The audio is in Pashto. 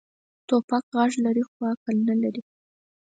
توپک غږ لري، خو عقل نه لري.